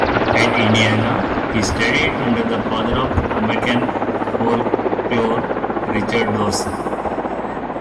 At Indiana, he studied under the father of American Folklore, Richard Dorson.